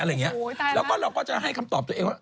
แล้วก็เราก็จะให้คำตอบตัวเองว่า